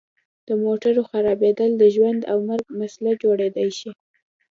د موټر خرابیدل د ژوند او مرګ مسله جوړیدای شي